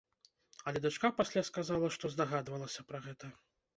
Але дачка пасля сказала, што здагадвалася пра гэта.